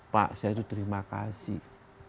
pak syah itu terima kasih